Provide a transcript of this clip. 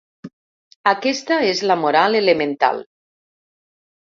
Aquesta és la moral elemental.